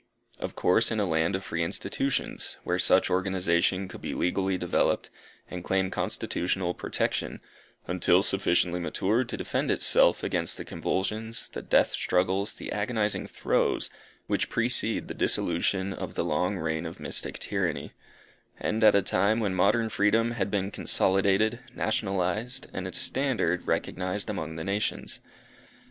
Of course in a land of free institutions, where such organization could be legally developed, and claim constitutional protection, until sufficiently matured to defend itself against the convulsions, the death struggles, the agonizing throes, which precede the dissolution of the long reign of mystic tyranny; and at a time when modern freedom had been consolidated, nationalized, and its standard recognized among the nations.